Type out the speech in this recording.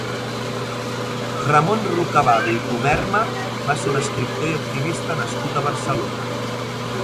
Ramon Rucabado i Comerma va ser un escriptor i activista nascut a Barcelona.